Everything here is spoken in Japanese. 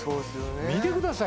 見てください